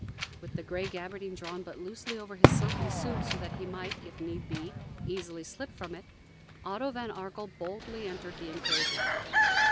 With the gray gabardine drawn but loosely over his silken suit, so that he might, if need be, easily slip from it, Otto von Arkell boldly entered the inclosure.